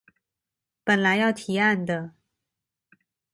本來要提案的